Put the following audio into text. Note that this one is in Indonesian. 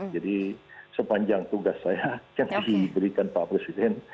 jadi sepanjang tugas saya yang diberikan pak presiden